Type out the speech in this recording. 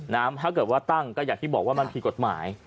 ถ้าเกิดว่าตั้งก็อย่างที่บอกว่ามันผิดกฎหมาย